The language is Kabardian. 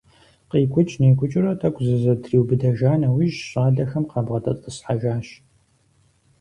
КъикӀукӀ-никӀукӀыурэ тӀэкӀу зызэтриубыдэжа нэужь, щӀалэхэм къабгъэдэтӀысхьэжащ.